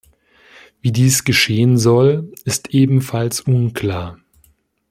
Wie dies geschehen soll, ist ebenfalls unklar.